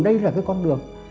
đây là cái con đường